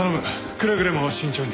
くれぐれも慎重に。